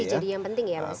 itu jadi yang penting ya mas